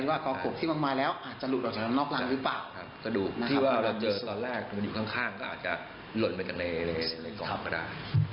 ที่เว้าเจอตอนแรกอยู่ข้างก็อาจจะหล่นไปกันเลยก็ได้